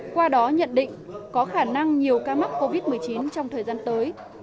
qua đó nhận định có khả năng nhiều ca mắc covid một mươi chín trong thời gian tới